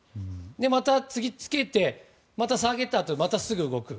また、次つけてまた下げたあと、すぐ動く。